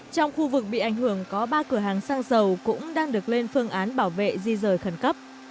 trong khu vực bị ảnh hưởng có ba cửa hàng xăng dầu cũng đang được lên phương án bảo vệ di rời khẩn cấp